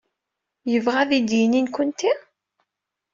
Yebɣa ad d-yini nekkenti?